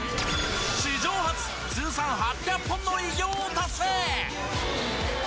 史上初通算８００本の偉業を達成。